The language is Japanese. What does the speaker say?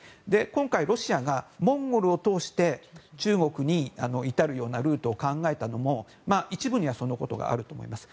今回、ロシアがモンゴルを通して中国に至るようなルートを考えたのも、一部にはそのことがあると思います。